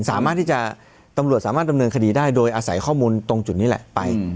สามารถที่จะตำรวจสามารถดำเนินคดีได้โดยอาศัยข้อมูลตรงจุดนี้แหละไป